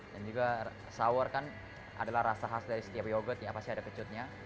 dan juga sour kan adalah rasa khas dari setiap yogurt ya pasti ada kecutnya